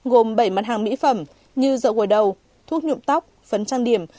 gồm bảy mặt hàng mỹ phẩm như dậu gồi đầu thuốc nhụm tóc phấn trang điểm